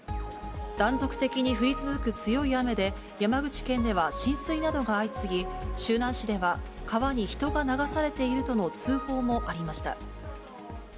断続的に降り続く強い雨で、山口県では浸水などが相次ぎ、周南市では川に人が流されているとの通報もありました。